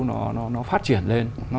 nó phát triển lên